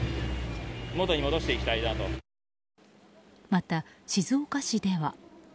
また、静岡市では。